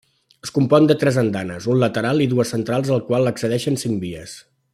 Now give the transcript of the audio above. Es compon de tres andanes, un lateral i dues centrals al qual accedeixen cinc vies.